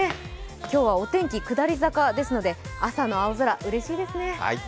今日はお天気下り坂ですので、朝の青空、うれしいですね。